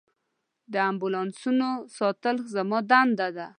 د امبولانسونو ساتل زما دنده ده.